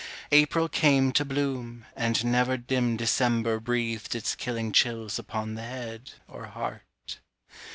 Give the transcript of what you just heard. April came to bloom and never dim December Breathed its killing chills upon the head or heart.